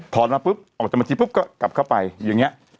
ถอนออกมาปุ๊บออกจากมจิปุ๊บก็กลับเข้าไปอย่างเนี้ย